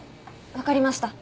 わかりました。